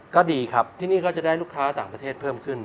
ก็ดีครับที่นี่ก็จะได้ลูกค้าต่างประเทศเพิ่มขึ้น